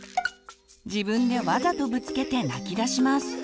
自分でわざとぶつけて泣きだします。